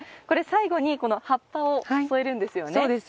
最後に、葉っぱを添えるんですよね。